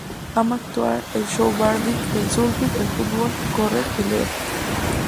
Ama actuar, el snowboarding, el surfing, el fútbol, correr y leer.